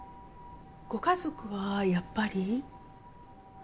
ご家族はやっぱり。